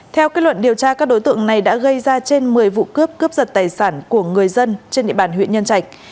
theo kết luận điều tra các đối tượng này đã gây ra trên một mươi vụ cướp cướp giật tài sản của người dân trên địa bàn huyện nhân trạch